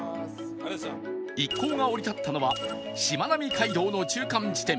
一行が降り立ったのはしまなみ海道の中間地点